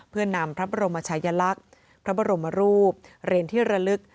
เพื่อนำพระบรมชายลักษณ์พระบรมรูปเหรียญที่ระลึก